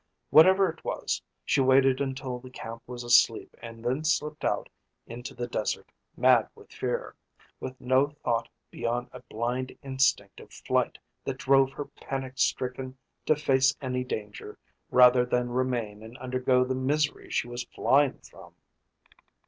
Whatever it was she waited until the camp was asleep and then slipped out into the desert, mad with fear, with no thought beyond a blind instinct of flight that drove her panic stricken to face any danger rather than remain and undergo the misery she was flying from.